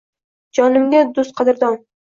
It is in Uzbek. Jonimga dustqadrdon